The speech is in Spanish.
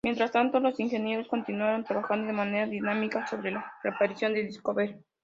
Mientras tanto, los ingenieros continuaron trabajando de manera dinámica sobre la reparación del Discovery.